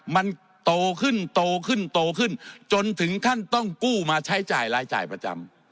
มันโตขึ้นโตขึ้นโตขึ้นจนถึงขั้นต้องกู้มาใช้จ่ายรายจ่ายประจำ